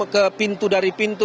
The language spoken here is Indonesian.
ke pintu dari pintu